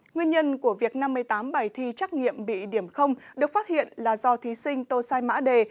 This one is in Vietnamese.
nguyên nhân của việc năm mươi tám bài thi trắc nghiệm bị điểm được phát hiện là do thí sinh tô sai mã đề